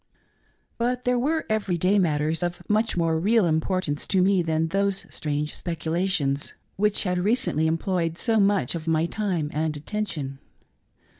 But there were every day matters of much more real importance to me than those strange speculations which had recently employed so much of my time and attention.